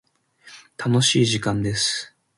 楽しい時間です。